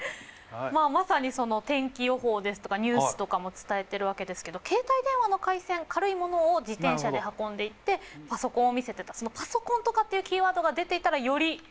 まあまさに天気予報ですとかニュースとかも伝えてるわけですけど携帯電話の回線軽いものを自転車で運んでいってパソコンを見せてたそのパソコンとかっていうキーワードが出ていたらより。